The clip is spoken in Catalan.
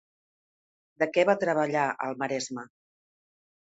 De què va treballar al Maresme?